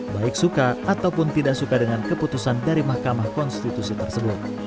baik suka ataupun tidak suka dengan keputusan dari mahkamah konstitusi tersebut